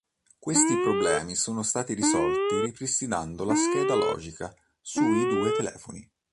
Questi problemi sono stati risolti ripristinando la scheda logica sui due telefoni.